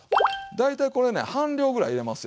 大体これね半量ぐらい入れますよ